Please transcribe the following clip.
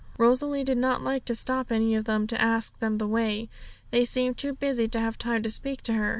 Rosalie did not like to stop any of them to ask them the way, they seemed too busy to have time to speak to her.